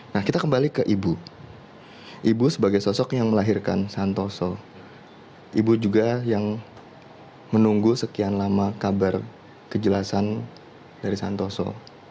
nah kita kembali ke ibu ibu sebagai sosok yang melahirkan santoso ibu juga yang menunggu sekian lama kabar kejelasan dari santoso